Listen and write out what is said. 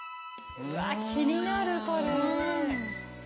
うわ気になるこれ。